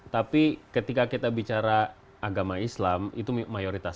tapi ketika kita bicara agama islam itu mayoritas